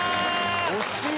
惜しい！